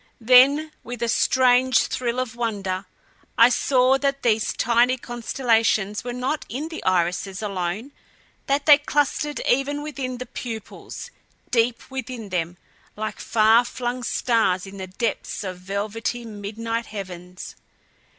Then with a strange thrill of wonder I saw that these tiny constellations were not in the irises alone; that they clustered even within the pupils deep within them, like far flung stars in the depths of velvety, midnight heavens.